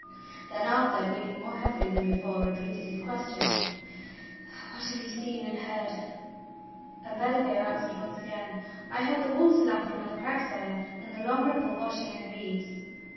Then Arthur, breathing more heavily than before, repeated his question : "What have you seen and heard?" And Bedivere answered once again: "I heard the water lapping on the crags. Sire, and the long ripple washing in the reeds."